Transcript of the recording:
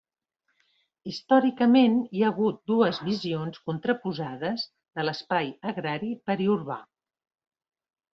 Històricament hi ha hagut dues visions contraposades de l'espai agrari periurbà.